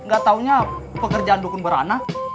gak taunya pekerjaan dukun beranah